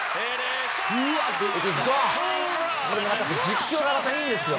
実況がまたいいんですよ。